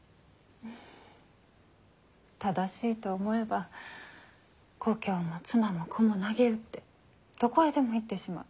正しいと思えば故郷も妻も子もなげうってどこへでも行ってしまう。